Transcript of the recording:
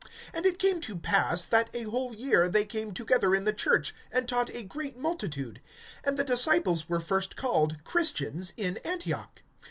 And it came to pass, that a whole year they came together in the church, and taught a great multitude; and the disciples were first called Christians in Antioch.